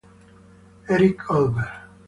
Eric Goldberg